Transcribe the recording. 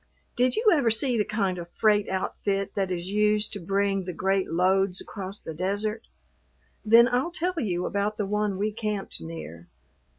Did you ever see the kind of freight outfit that is used to bring the great loads across the desert? Then I'll tell you about the one we camped near.